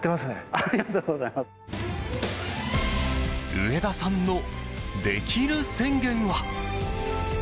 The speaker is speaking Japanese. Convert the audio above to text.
植田さんのできる宣言は。